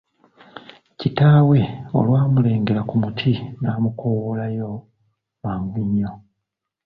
Kitaawe olwamulengera ku muti n'amukowoolayo mangu nnyo.